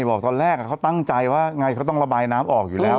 บอกตอนแรกเขาตั้งใจว่าไงเขาต้องระบายน้ำออกอยู่แล้ว